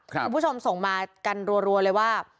คุณผู้ชมส่งมากันรัวเลยว่า